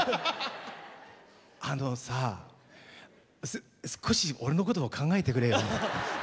あのさ少し俺のことも考えてくれよ。